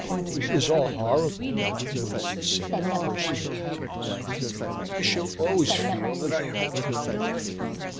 "It is all horrible," Millicent said, bursting into tears, "and I shall always feel that I have robbed you."